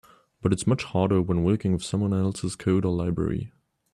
But it's much harder when working with someone else's code or library.